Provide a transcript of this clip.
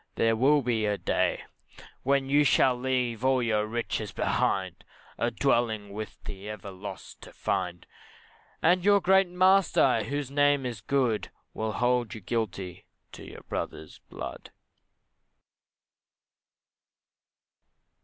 there will be a day, When you shall leave all your riches behind, A dwelling with the ever lost to find, And your great Master, He whose name is good Will hold you guilty of your brother's blood.